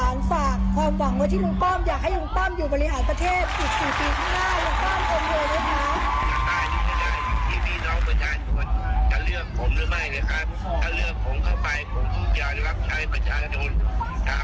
หลังฝากความหวังว่าที่ลูกป้อมอยากให้ลูกป้อมอยู่บริหารประเทศ๑๘ปีข้างหน้า